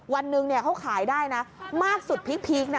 วันหนึ่งเขาขายได้นะมากสุดพีคนะ